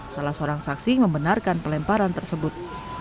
salah seorang saksi membenarkan pelemparan tersebut